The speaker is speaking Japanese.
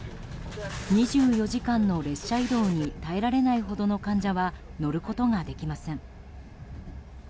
２４時間の列車移動に耐えられないほどの患者は乗ることができません。